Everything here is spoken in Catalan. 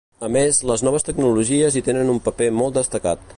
A més, les noves tecnologies hi tenen un paper molt destacat.